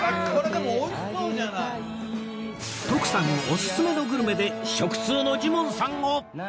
徳さんオススメのグルメで食通のジモンさんを